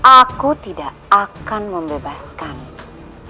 aku tidak akan membebaskanmu